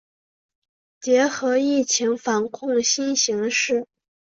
结合疫情防控新形势